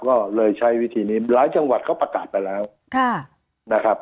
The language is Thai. ก็เลยใช้วิธีนี้หลายจังหวัดเขาประกาศไปแล้วนะครับ